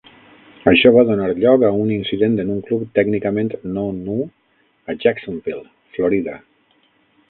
Això va donar lloc a un incident en un club tècnicament no nu a Jacksonville, Florida.